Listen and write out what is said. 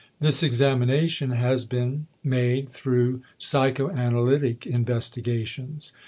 This examination has been made through psychoanalytic investigations.